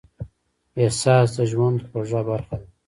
احساس د ژوند خوږه برخه ده.